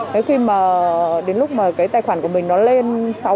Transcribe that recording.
thế khi mà đến lúc mà cái tài khoản của mình nó lên sáu mươi